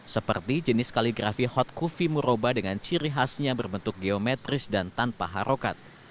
seperti jenis kaligrafi hotkufi muroba dengan ciri khasnya berbentuk geometris dan tanpa harokat